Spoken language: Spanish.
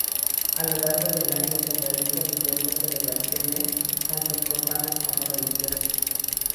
A lo largo del año se realizan diversas celebraciones, tanto profanas como religiosas.